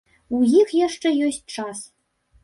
У іх яшчэ ёсць час.